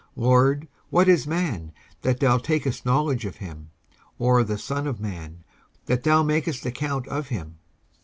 19:144:003 LORD, what is man, that thou takest knowledge of him! or the son of man, that thou makest account of him!